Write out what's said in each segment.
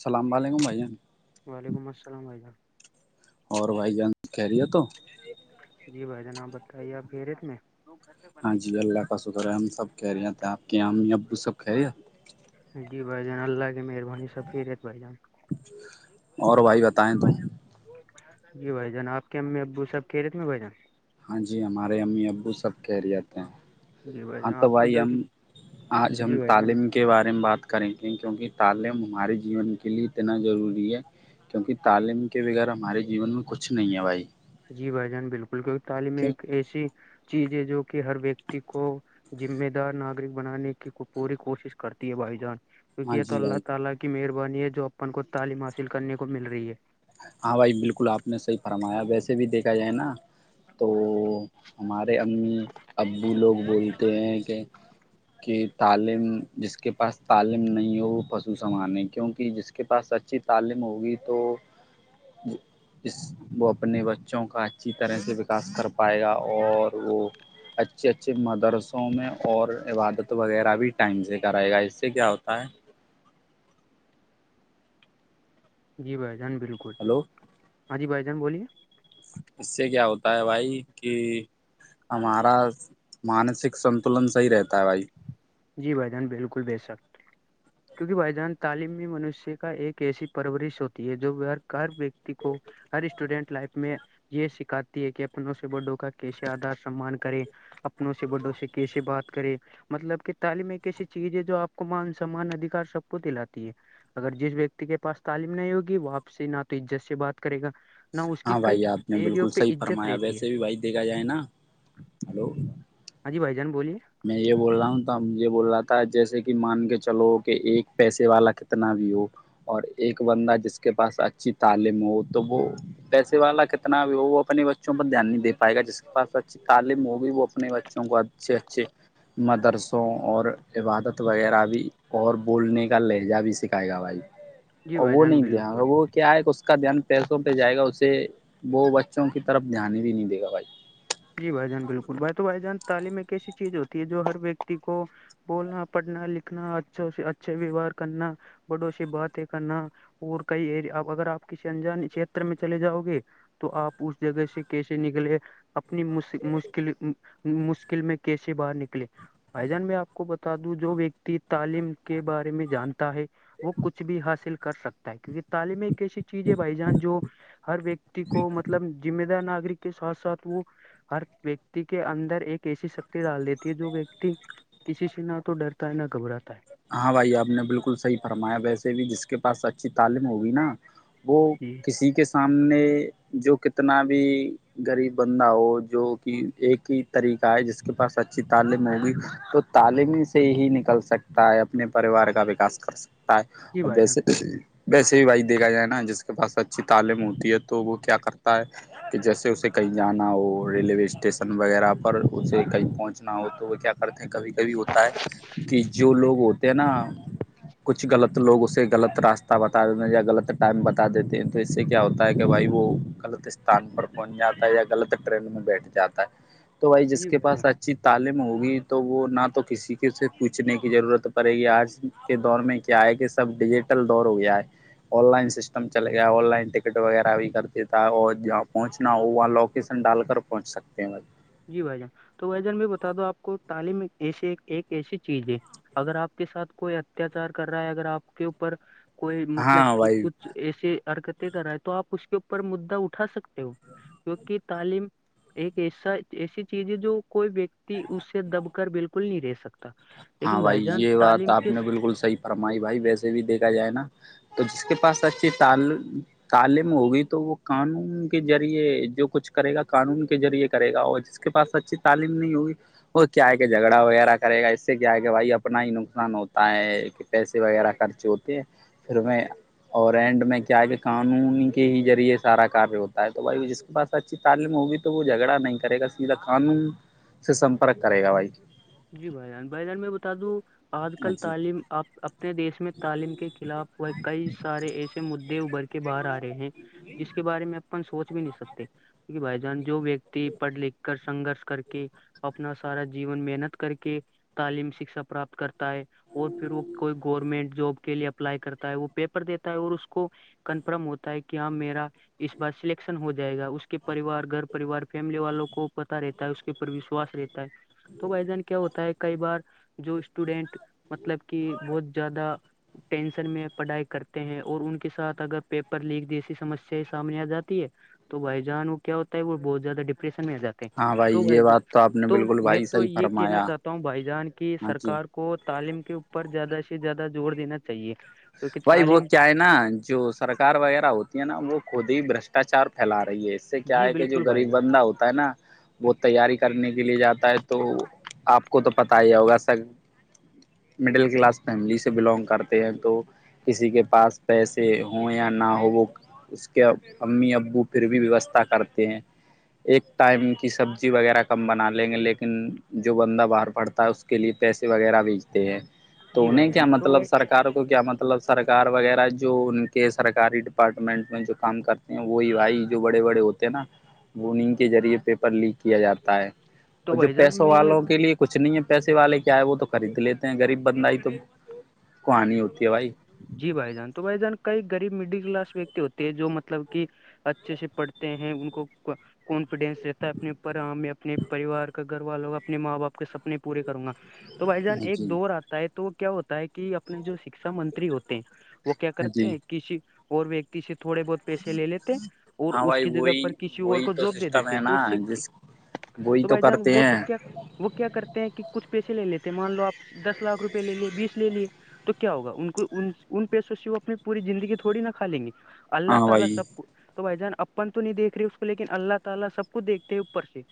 سلب لےگ بائییں وعلیکم السل وعم اور بھائی جان کہہ رہی ہو تو جی بھائی جان آپ بتائیے آپ پرےت میں ہاں جی اللہ کا شکر ہے ہم سب کہہ رہے ہیں تھے آپ کے یہام ابو سب کہہ رہے ہیں جی بھائی جان اللہ کی مہربانی سب پ رہت بھائی جان اور بھائی بتائیں تویں جی بھ جان آپ کے امی ابو سب کہہ رہے تھے بھائی جان ہاں جی ہمارے امی ابو سب کہہ رہے جی جان ہاں تو آپ بھائی کدھر ہم آ ہم جی بھائی جان تعلیم کے بارے میں بات کریں گے کیونکہ تعلیم ہمارے جیون کے لیے اتنا ضروری ہے کیونکہ تعلیم کے بغیر ہمارے جیون میں کچھ نہیں ہے بھائی جی بھائی جان بالکل کیونکہ تعلیم کیوں ایک ایسی چیز ہے جو کہ ہر ویکتی کو ذمہ دار ناگرک بنانے کی پوری کوشش کرتی ہے بھائی جان ہاں یہ تو جی اللہ بھائی تعالی کی مہربانی ہے جو اپن کو تعلیم حاصل کرنے کو مل رہی ہے ہاں بھائی بالکل آپ نے صحیح فرمایا ویسے بھی دیکھا جائے نا تو ہمارے امی ابو لوگ بولتے ہیں کہ کہ تعلیم جس کے پاس تعلیم نہیں ہو وہ پسو سامان ہے کیونکہ جس کے پاس اچھی تعلیم ہوگی تو وہ اسس [unintelligible] وہ اپنے بچوں کا اچھی طرح سے وکاس کر پائے گا اور وہ اچھے اچھے مدرس سوں میں اور عبادت وغیرہ بھی ٹائم سے کرے گا اس سے کیا ہوتا ہے جی بھائی جان بالکل ہلو ہاں جی بھائی جان بولیے اس سے کیا ہوتا ہے بھائی کہ ہمارا مانسک سنتولن صحیح رہتا ہے بھائی جی بھائی جان بالکل بے سک کیونکہ بھائی جان تعلیم میں منشیہ کا ایک ایسی پرورش ہوتی ہے جو ہر ویکتی کو ہر اسٹوڈینٹ لائف میں یہ سکھاتی ہے کہ اپنوں سے بڈوں کا کیسے آدار سمان کریں اپنوں سے بڑوں سے کیسے بات کرے مطلب کہ تعلیم ایک ایسی چیز ہے جو آپ کو مان سمان ادھار سب کو دلاتی ہے اگر جس ویکتی کے پاس تعلیم نہیں ہوگی واپسی نہ تو عزت سے بات کرے گا نہ اس کی ہاں کئی بھائی آپ نے ایریو بالکل پہ صحیح عزت فرمایا رہتی ہے ویسے بھی بھائی دیکھا جائے نا ہلو ہاں جی بھائی جان بولے میں یہ بول رہا ہوں تھا یہ بول رہا تھا جیسے کہ مان کے چلو کہ ایک پیسے والا کتنا بھی ہو اور ایک بندہ جس کے پاس اچھی تعلیم ہو تو وہ پیسے والا کتنا بھی وہ اپنے بچوں پر دھیان نہیں د پائے گا جس کے پاس اچے تعلیم ہوگی وہ اپنے بچوں کو اچھے اچھے مدرسوں اور عبادت وغیرہ بھی اور بولنے کا لہجہ بھی سکھائے گا بھائی [inaudible] ا وہ جان نہیں دان بالکل وہ کیا ہے اس کا دھیان پیسوں پہ جائے گا اسے وہ بچوں کی طرف دھیان بھی نہیں دے گا بھائی جی بھائی جان بالکل بھائی تو بھائی جان تعلیم ایک ایسی چیز ہوتی ہے جو ہر ویکتی کو بولنا پڑھنا لکھنا اچھا سے اچھے ویوہار کرنا بڑوںسی باتیں کرنا اور کئی ا اگر آپ کسی انجان چھیتر میں چلے جاؤ گے تو آپ اس جگہ سے کیسے نکلے اپنی مشکل مشکل میں کیسے باہر نکلے بھائی جان میں آپ کو بتا دوں جو ویکتی تعلیم کے بارے میں جانتا ہے وہ کچھ بھی حاصل کر سکتا ہے کیونکہ تعلیم ایک ایسی چیز ہے بھائی جان جو ہر ویکتی کو مطلب ذمہ دار ناگرک کے ساتھ ساتھ وہ ہر ویکتی کے اندر ایک ایسی شکتی ڈال دیتی ہے جو ویکتی کسی سے نہ تو ڈرتا ہے نہ گھبراتا ہے ہاں بھائی آپ نے بالکل صحیح فرمایا ویسے بھی جس کے پاس اچھی تعلیم ہوگی نا وہ جی کسی کے سامنے جو کتنا بھی غریب بندہ ہو جو کہ ایک ہی طریقہ ہے جس کے پاس اچھی تعلیم ہوگی تو تعلیمی سے ہی نکل سکتے ستا ہے اپنے پریوار کا وکاس کر سکتا ہے جی اور بھائی جان ویسے ویسے ہی بھائی دیکھا جائے نا جس کے پاس اچھی تعلیم ہوتی ہے تو وہ کیا کرتا ہے کہ جیسے اسے کہیں جانا ہو ریلوے اسٹیشن وغیرہ پر اسے کہیں پہنچنا ہو تو وہ کیا کرتے ہیں کبھی کبھی ہوتا ہے کہ جو لوگ ہوتے ہیں نا کچھ غط لوگ اسے غلط راستہ بتا دیتے یا غلط ٹائم بتا دیتے ہیں تو اس سے کیا ہوتا ہے کہ بھائی وہ غلط استھان پر پہنچ جاتا ہے یا غلط ٹرین میں بیٹھ جاتا ہے [inaudible] تو بھائی جس کے پاس اچھی تعلیم ہوگی تو وہ نہ تو کسی کے سے پچھ پوچنے کی ضرورت پڑے گی آج کے دور میں کیا ہے کہ سب ڈیجیٹل دور ہو گیا ہے آن لائن سسٹم چلے گیا آن لائن ٹکٹ وغیرہ بھی کرتے تھا اور جہاں پہنچنا ہو وہاں لوگ لوکیشن ڈال کر پہنچ سکتے ہیں جی بھائی جان تو بھائی جان بھی بتا دو آپ کو تعلیم ایسے ایک ایسی چیز ہے اگر آپ کے ساتھ کوئی اتیاچار کر رہا ہے اگر آپ کے اوپر کوئی مطلب ہاں کہ بھائی کچھ ایسی حرکتیں کر دیا ہے تو آپ اس کے اوپر مدا اٹھا سکتے ہو کیونکہ تعلیم ایک ایسا ایسی چیز ہے جو کوئی وکتی اس سے دب کر بالکل نہیں رہ سکتا لیکن بھائی جان تعلیم کے اور ہمائی بھائی ویسے بھی دیکھا جائے نا تو جس کے پاس اچھی تال تعلیم ہوگی تو وہ قانون کے ذریعے جو کچھ کرے گا قانون کے ذریعے کرے گا وہ اس کے پاس اچھی تعلیم نہیں ہوئی اور کیا ہے جھگڑا وغیرہ کرے گا اس سے کیا کہ بھائی اپنا ہی نقصان ہوتا ہے کہ پیسے وغیرہ خرچ ہوتے پھر میں اور اینڈ میں کیا ہے کہ قانون کے ہی ذریعے سارا کاریہ ہوتا ہے تو بھائی جس کے پاس اچھی تعلیم ہوگی تو وہ جھگڑا نہیں کرے گا سیدھا قانون سے سمپرک کرے گا بھائی جی بھائی جان بھائی جان میں بتا دوں آج کل جی تعلیم آپ اپنے دیش میں تعلیم کے خلاف وہ کئی سارے ایسے مدے ابھر کے باہر آ رہے ہیں جس کے بارے میں سوچ بھی نہیں سکتے کہ بھائی جان جو پڑھ لکھ کر سنگرش کر کے اپنا سارا جیون محنت کر کے تعلیم شکشا پراپت کرتا ہے اور پھر وہ کوئی گورنمنٹ جاب کے لیے اپلائی کرتا ہے وہ پیپر دیتا ہے اور اس کو کنفرم ہوتا ہے کہ ہاں میرا اس بار سلیکشن ہو جائے گا اس کے پریوار گھر پریوار فیملی والوں کو پتا رہتا ہے اس کے اوپر وشواس رہتا ہے تو بھائی جان کیا ہوتا ہے کئی بار جو اسٹوڈینٹ مطلب کہ بہت زیادہ ٹینشن میں پڑھائی کرتے ہیں اور ان کے ساتھ اگر پیپر لیک جیسی سمسیا سامنے آ جاتی ہے تو بائی جان وہ کیا ہوتا ہے وہ بہت زیاد ڈپریشن میں آ جا ہے ہاں بھائی تو یہ وسے بات آپ نے تو بالکل میں بھائی تو صحیح یہ کہنا فرمایا چاہتا ہوں بھائی جان کی ہاں جی سرکار کو تعلیم کے اوپر زیادہ سے زیادہ زور دینا چاہیے کیونکہ بھائی وہ تعلیم کیا ہے نا جو سرکار وغیرہ ہوتی ہے نا وہ خود ہی برشٹاچار پھیلا رہی ہے اس اس سے کیا جی ہے کہ جو بالکل بھائی غریب جان بندہ ہوتا ہے نا وہ تیاری کرنے کے لیے جاتا ہے تو آپ کو تو پتاہ ہی ہوگا سر مڈل کلاس فیملی سے بلونگ کرتے ہیں تو کسی کے پاس پیسے ہوں یا نہ ہو وہ اس کے امی ابو پھر بھی ویوستھا کرتے ہیں ایک ٹائم کی سبزی وغیرہ کم بنا لیں گے لیکن جو بندہ باہر پڑتا ہے اس کے لیے پیسے وغیرہ بیچتے ہیں تو جی بھائی انہیں کیا جان تو مطلب سرکار کو کیا مطلب مطلب سرکار وغیرہ جو ان کے سرکاری ڈپارٹمنٹ میں جو کام کرتے ہیں وہی بھائی جو بڑے بڑے ہوتے نا وہ انگ کے ذریعے پیپر لیک کیا جاتا ہے تو اور جو بھائی جان پیسوں میں والوں کے لیے کچھ نہیں ہے پیسے والے کیائے وہ تو خرید لیتے ہیں غریب بندہ ہی تو کوانی ہوتی ہے بھائی جی بھائی جان تو بھائی جان کئی غریب مڈل کلاس ویکتی ہوتے ہیں جو مطلب کہ اچھے سے پڑھتے ہیں ان کو کانفیڈینس رہتا ہے اپنے اوپر میں اپنے پریوار کا گھر والوں کا اپنے ماں باپ کے سپنے پورے کروں گا تو بھائی جان ایک جی دور آتا ہے تو کیا ہوتا ہے کہ اپنے جو شکھا منتری ہوتے ہیں وہ کیا کرتے جی ہیں کسی اور ویکتی سے تھوڑے بہت پیسے لے لیتے اور ہاں اس بھائی کی جگہ وہی پر کسی اور وہی کو تو جاب دے سسٹم دیتے ہے نا تو س کے جس وہی تو بھائی جان کرتے وہ ہیں تو کیا وہ کیا کرتے ہیں کہ کچھ پیسے لے لیتے ہیں مان لو آپ دس لاکھ روپئے لے لیے بیس لے لیے ٹو کیا ہوا یوں پیسوں سے پوری زندگی نہ کہا لینگے ہاں اللہ بھائی بھائی جان اپن تو نہیں دیکھ رہی اس کو لیکن اللہ تعالی سب کو دیکھتے ہو اوپر سے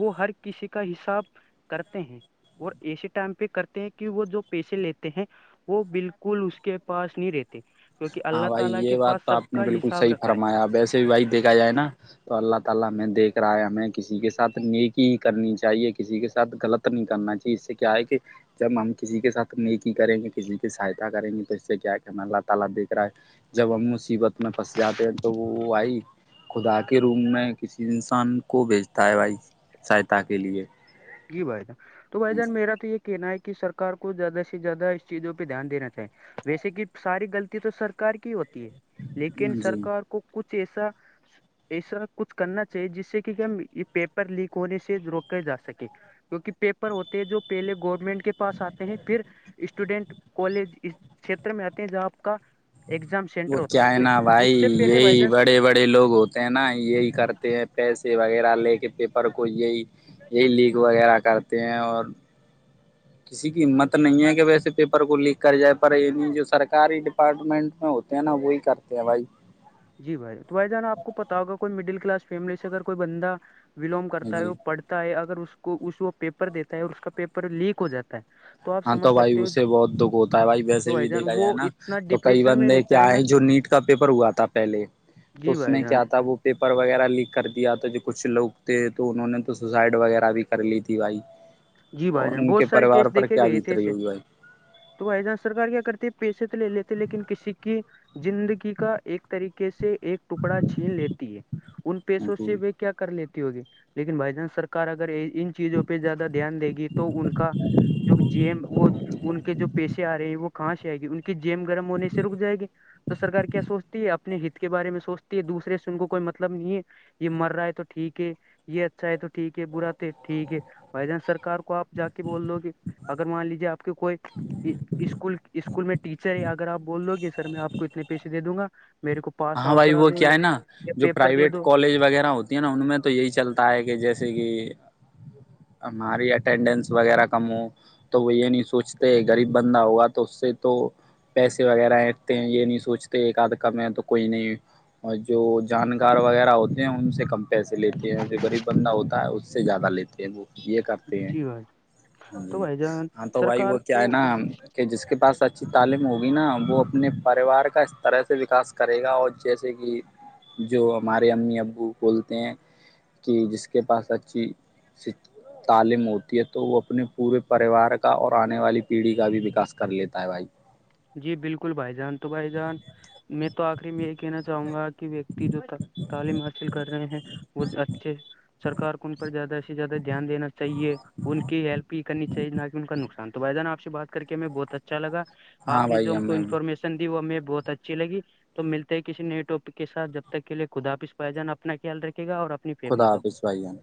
وہ ہر کسی کا حساب کرتے ہیں وہ اسی ٹائم پہ کرتے ہیں کہ وہ جو پیسے لیتے ہیں وہ بالکل اس کے پاس نہیں رہتے کیونکہ ہاں اللہ بھائی تعالی کے یہ بات پاس تو سب آپ نے کا بالکل حساب صحیح رکھا ہے فرمایا ویسے بھی بھائی دیکھا جائے نا تو اللہ تعالی ہمیں دیکھ رہا ہے ہمیں کسی کے ساتھ ایک ہی کرنی چاہیے کسی کے ساتھ کلب نہیں کرنا چاہیے اس سے کیا ہے کہ جب ہم کسی کے ساتھ نیکی کریں گے کسی کے ساجدہ کریں گے پھر سے کیا کرنا اللہ تعالی پھر جب ہم مصیبت میں پھنس جاتے ہیں تو وہ وہ آئی خدا کے روم میں کسی انسان کو بھیجتا ہے بھائی سہایتا کے لیے جی بھائی جان تو بھائی جان میرا تو یہ کہنا ہے کہ سرار کو زیادہ سے زیادہ اس چیزوں پہ دھیان دینا چاہیے ویسے کہ ساری غلط تو سرکار کی ہوتی ہے لیکن جی سرکار کو کچھ ایسا ایسا کچھ کرنا چاہیے جس سے کہ ہم یہ پیپر لیک ہونے سے روکے جا سکے کیونکہ پیپر ہوتے ہیں جو پہلے گورنمنٹ کے پاس آتے ہیں پھر اسٹوڈنٹ کالج اس چھیتر میں آتے ہیں جہاں آپ کا ایگزام وہ سینٹر ہوتا کیا ہے تو نا بھائی اس سے پہلے بائی یہی چانس بڑے بڑے لوگ ہوتے ن ہی یہی کرتے ہیں پیسے وغیرہ لے کے پیپر کو یہی یہی لیک وغیرہ کرتے ہیں اور کسی کی ہمت نہیں ہے کہ ویسے پیپر کو لیک کر جائے پر نہیں جو سرکاری ڈپارٹمنٹ میں ہوتا تے ہیں نا وہی کرتے بھائی جی بھائی تو بھائی جانا آ کو پتا ہوگا کوئی مڈل کلاس فیملی سے اگر کوئی بندہ بلونگ کرتا ہے جی وہ پڑھ اگر اس کو اس وہ پیپر دیتا ہے اور اس کا پیپر لیک ہو جاتا ہے آپ ہاں تو سمجھ بھائی سکتے ہو اس سے بہت دکھ ہوتا ہے بھائی تو ویسے بھی جان دیکھا جائے وہ نا اتنا تو کئی ڈپریشن میں بندے رہتا کیا ہے آئے نا ہیں جو نیٹ کا پیپر ہوا تھا پہلے تو جی اس بھائی میں جان کیا تھا وہ پیپر وغیرہ لیک کر دیا تو جو کچھ لوگ تھے تو انہوں نے تو سوسائڈ وغیرہ بھی کر لی تھی بھائی جی بھائی اور جان ان بہت کے سارے کیس پریوار پر دیکھے کیا گئے بیت تھے رہی ایے ہوگی تو ای جہاں سرار کیا کرتی ہے پیسے تو لے لیتے لیکن کسی کی زندگی کا ایک طریقے سے ایک ٹکڑا چھین لیتی ہے ان پیسوں بھائی سے بھی کیا کر لیتی ہوگی لیکن بھائی چانس سرکار اگر ان چیزوں پہ زیادہ دھیان دے گی تو ان کا جو جیم وہ ان کے جو پیسے آ رہے ہیں وہ کہاں سے آئے گی ان کی جیم گرم ہونے سے رک جائے گی تو سرار کیا سوچتی ہے اپنے ہت کے بارے میں سوچتی ہے دوسرے سے ان کو کوئی مطلب نہیں ہے یہ مر رہا ہے تو ٹھیک ہے یہ اچھا ہے تو ٹھیک ہے برا تو ٹھیک ہے بھائی جانس سرک کو آپ جا کے بول دو گ اگر مان لیجیے آپ کے کوئی اسکول اسکول میں ٹیچر ہے اگر آپ بول دو گے سر میں آپ کو اتنے پیسے دے دوں گا میرے کو پاس ہاں آؤٹ بھائی کرا وہ دو کیا یا ہے نا یا جو پیپر دے پرائیویٹ دو کالج وغیرہ ہو نا ان میں تو یہی چلتا ہے کہ جیسے کہ ہماری اٹینڈینس وغیرہ کمو تو وہ یہ نہیں سوچتے غریب بندہ ہوگا تو اس سے تو پیسے وغیرہ اینھتے ہیں یہ نہیں سوچتے ایک آدھ کم تو کوئی نہیں اور جو جانکار وغیرہ ہوتے ہیں ان سے کم پیسے لیتے ہیں جو غریب بندہ ہوتا ہے اس سے زیادہ لیتے ہیں وہ یہ کرتے جی بھائی تو جی بھائی جان ہاں تو بھائی سرکار وہ کیا ہے نا کو کہ جس کے پاس اچھی تعلیم ہوگی نا وہ اپنے پریوار کا اس طرح سے وکاس کرے گا اور جیسے کہ جو ہمارے امی ابو بولتے ہیں کہ جس کے پاس اچھی تعلیم ہوتی ہے تو وہ اپنے پورے پریوار کا اور آنے والی پیڑھی کا بھی وکاس کر لیتا ہے بھائی جی بالکل بھائی جان تو بھائی جان میں تو آخری میں یہ کہنا چاہوں گا کہ ویکتی جو تعلیم حاصل کر رہے ہیں وہ اچھے سرکار کون زیادہ سے زیادہ دھیان دینا چاہے ان کی ہیلپ ہی کرنی چاہیے نہ کہ ان کا نقصان تو بھدان آپ سے بات کر کے میں بہت اچھا لگا آ ہاں نے جو بھائی ہم کو ہمیں انفارمیشن دی وہ ہمیں بہت اچھی لگی تو ملتے ہی کسی نئے ٹاپک کے سھ جب تک کے لیے خداپ اس پجان اپنا خیال رکھے گا اور اپ خدا سوائییا نے